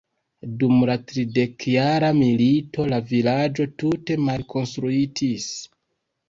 Dum la Tridekjara milito la vilaĝo tute malkonstruitis.